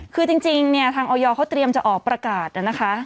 คือจริงเนี่ยทางออยอจะออกระกาศนะนะคะ